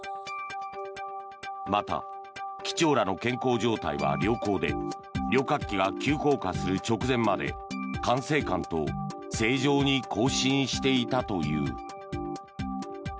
また、機長らの健康状態は良好で旅客機が急降下する直前まで管制官と正常に交信していたという。